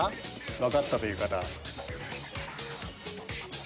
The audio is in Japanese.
分かったという方。